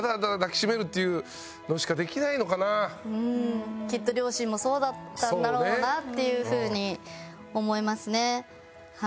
うんきっと両親もそうだったんだろうなっていう風に思いますねはい。